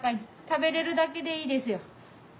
食べれるだけでいいですよ。